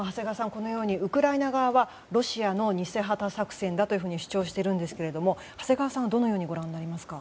このようにウクライナはロシアの偽旗作戦だと主張しているんですけども長谷川さんはどのようにご覧になりますか？